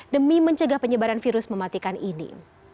demi mencegah penyebaran virus mematikan ini